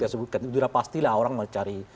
sudah pasti lah orang mencari